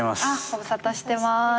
ご無沙汰してます。